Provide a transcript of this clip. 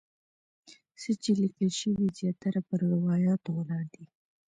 څه چې لیکل شوي زیاتره پر روایاتو ولاړ دي.